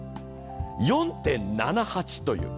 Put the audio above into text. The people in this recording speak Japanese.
４．７８という。